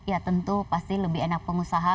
ya tentu pasti lebih enak pengusaha